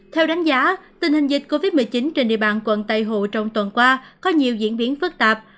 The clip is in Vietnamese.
theo đánh giá tình hình dịch covid một mươi chín trên địa bàn quận tây hồ trong tuần qua có nhiều diễn biến phức tạp